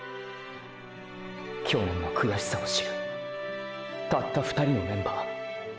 去年の悔しさを知るたった２人のメンバー